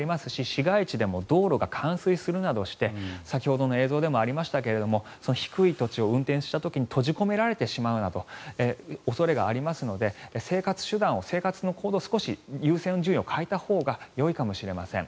市街地でも道路が冠水するなどして先ほどの映像でもありましたが低い土地を運転した時に閉じ込められてしまうなどの恐れがありますので生活手段を生活の行動を少し優先順位を変えたほうがよいかもしれません。